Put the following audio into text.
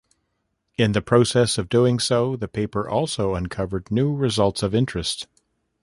In the process of doing so, the paper also uncovered new results of interest.